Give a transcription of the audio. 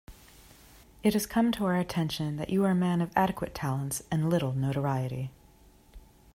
It has come to our attention that you are a man of adequate talents and little notoriety.